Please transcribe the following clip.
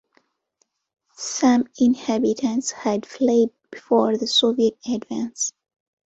Some inhabitants had fled before the Soviet advance.